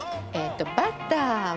バターは。